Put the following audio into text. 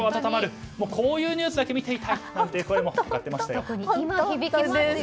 こういうニュースだけ見ていたいという声も上がりました。